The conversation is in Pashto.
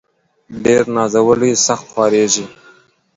ډير نازولي ، سخت خوارېږي.